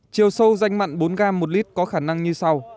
chiều sâu danh mặn bốn gram một lít có khả năng như sau